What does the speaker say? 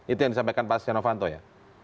itu yang disampaikan pak setia novanto ya